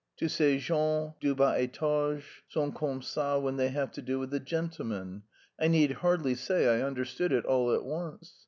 Tous ces gens du bas étage sont comme ça_ when they have to do with a gentleman. I need hardly say I understood it all at once.